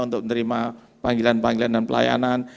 untuk menerima panggilan panggilan dan pelayanan